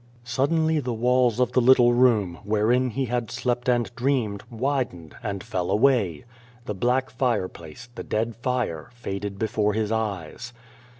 Suddenly the walls of the little room, wherein he had slept and dreamed, widened, and fell away. The black fireplace, the dead fire, faded before his eyes.